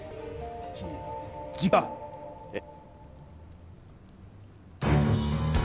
えっ？